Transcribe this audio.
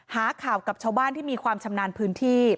หาข่าวกับชาวบ้านที่มีความชำนาญพื้นที่